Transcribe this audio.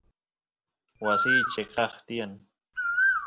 wasiy cheqap tiyan